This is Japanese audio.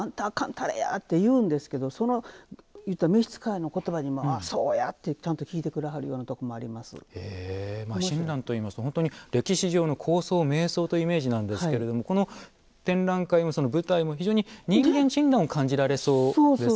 たれやって言うんですけどその言うたら召し使いの言葉にもああ、そうやってちゃんと聞いてくれはるような親鸞といいますと本当に歴史上の高僧名僧というイメージなんですけれどもこの展覧会も、舞台も人間親鸞を感じられそうですね。